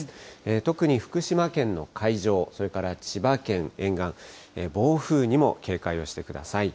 特に福島県の海上、それから千葉県沿岸、暴風にも警戒をしてください。